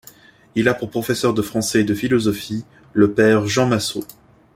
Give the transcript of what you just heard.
Il a pour professeur de français et de philosophie le Père Jean Massot.